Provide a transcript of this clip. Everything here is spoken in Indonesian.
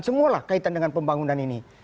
semualah kaitan dengan pembangunan ini